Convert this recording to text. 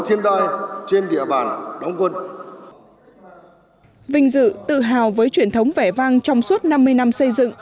thiên đai trên địa bàn đóng quân vinh dự tự hào với truyền thống vẻ vang trong suốt năm mươi năm xây dựng